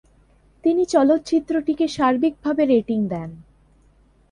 তিনি চলচ্চিত্রটিকে সার্বিকভাবে রেটিং দেন।